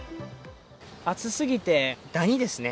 暑すぎて、ダニですね。